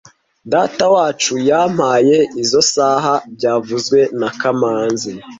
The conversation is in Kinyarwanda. Datawacu yampaye izoi saha byavuzwe na kamanzi